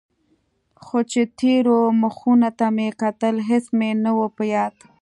خو چې تېرو مخونو ته مې کتل هېڅ مې نه و په ياد.